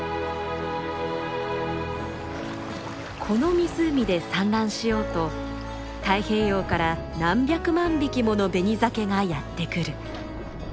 この湖で産卵しようと太平洋から何百万匹ものベニザケがやって来る。